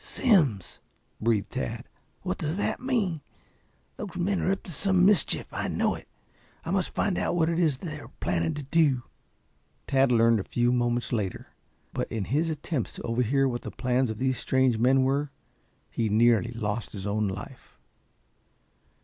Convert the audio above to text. "Simms!" breathed Tad. "What does this mean? Those men are up to some mischief. I know it. I must find out what it is they are planning to do." Tad learned a few moments later, but in his attempts to overhear what the plans of these strange men were, he nearly lost his own life.